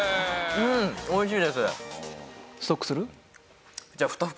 うん美味しいです。